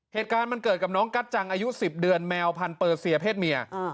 เหตุการณ์มันเกิดกับน้องกัจจังอายุ๑๐เดือนแมวพันธเปอร์เซียเพศเมีย